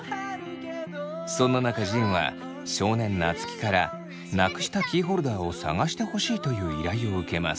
そんな中仁は少年夏樹からなくしたキーホルダーを探してほしいという依頼を受けます。